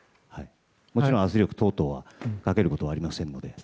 もちろん圧力等々はかけることはありませんので。